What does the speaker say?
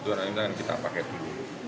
itu orang orang yang kita pakai dulu